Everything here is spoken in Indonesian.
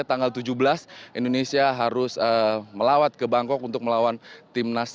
di tanggal tujuh belas indonesia harus melawat ke bangkok untuk melawan timor leste